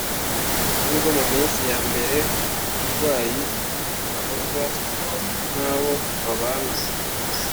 nubwo mu minsi ya mbere, umurwayi ahozwa n’abo babana